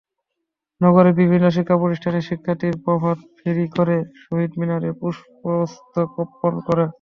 নগরের বিভিন্ন শিক্ষাপ্রতিষ্ঠানের শিক্ষার্থীরা প্রভাত ফেরি করে শহীদ মিনারে পুষ্পস্তবক অর্পণ করে।